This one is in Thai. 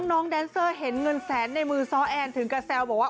น้องแดนเซอร์เห็นเงินแสนในมือซ้อแอนถึงกระแซวบอกว่า